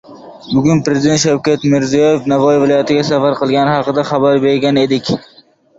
Bugun Prezident Shavkat Mirziyoev Navoiy viloyatiga safar qilgani haqida xabar bergan edik.